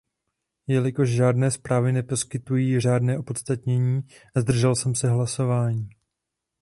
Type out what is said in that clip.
Jelikož žádné zprávy neposkytují řádné opodstatnění, zdržel jsem se hlasování.